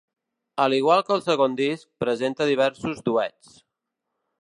A l'igual que el segon disc, presenta diversos duets.